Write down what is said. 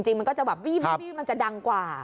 จริงมันก็จะวิ่มมันจะดังกว่า